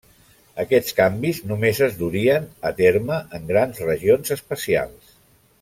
Aquests canvis només es durien a terme en grans regions espacials.